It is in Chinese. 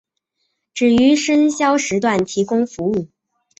只于深宵时段提供服务。